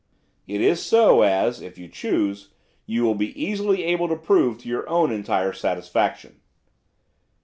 'It is so, as, if you choose, you will be easily able to prove to your own entire satisfaction.